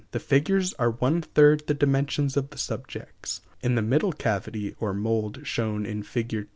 The figures are one third the dimensions of the subjects. In the middle cavity or mould shown in Fig.